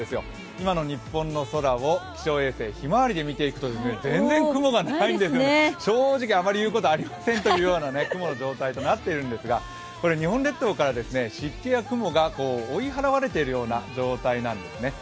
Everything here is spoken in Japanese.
今の日本の空を気象衛星ひまわりで見ていくと全然雲がないので、正直あまり言うことありませんというような雲の状態になっているんですがこれ日本列島から湿気や雲が追い払われているような状態なんですね。